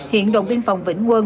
hiện đồn biên phòng vĩnh ngươn